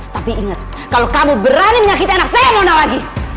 tapi ingat kalau kamu berani menyakiti anak saya mau nol lagi